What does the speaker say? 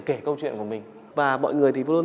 kể câu chuyện của mình và mọi người thì luôn